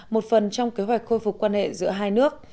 một phần trong kế hoạch khôi phục quan hệ giữa hai nước